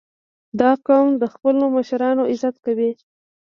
• دا قوم د خپلو مشرانو عزت کوي.